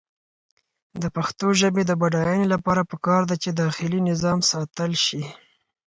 د پښتو ژبې د بډاینې لپاره پکار ده چې داخلي نظام ساتل شي.